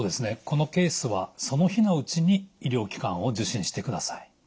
このケースはその日のうちに医療機関を受診してください。